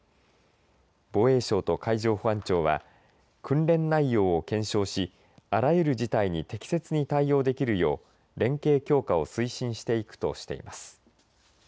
防衛省と海上保安庁は訓練内容を検証しあらゆる事態に適切に対応できるよう連携強化を推進していくとしています。